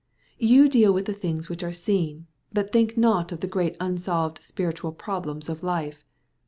You deal with the things which are seen, but think not of the great unsolved spiritual problems of life.